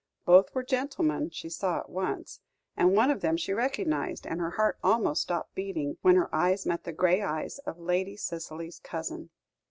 Both were gentlemen, she saw at once, and one of them she recognised, and her heart almost stopped beating, when her eyes met the grey eyes of Lady Cicely's cousin.